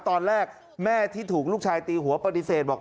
ตอนแรกแม่ที่ถูกลูกชายตีหัวปฏิเสธบอก